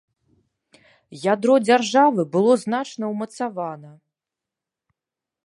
Ядро дзяржавы было значна ўмацавана.